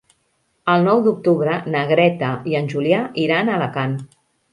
El nou d'octubre na Greta i en Julià iran a Alacant.